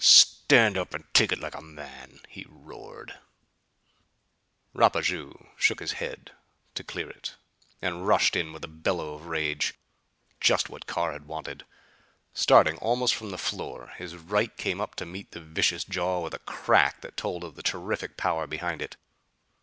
"Stand up and take it like a man!" he roared. Rapaju shook his head to clear it and rushed in with a bellow of rage. Just what Carr wanted! Starting almost from the floor, his right came up to meet the vicious jaw with a crack that told of the terrific power behind it.